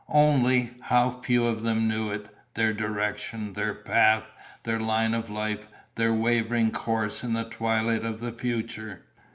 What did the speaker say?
Only, how few of them knew it: their direction, their path, their line of life, their wavering course in the twilight of the future.